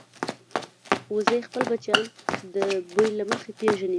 وزې خپل بچیان د بوی له مخې پېژني